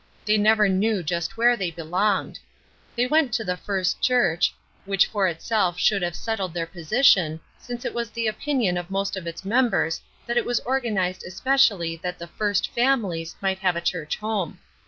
They never knew just where they belonged. They went to the First Church, which for itself should have settled their position, since it was the opinion of most of its members that it was organized especially that the "first families" might have a church home.